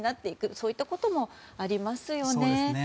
そういったこともありますよね。